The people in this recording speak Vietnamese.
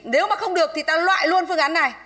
nếu mà không được thì ta loại luôn phương án này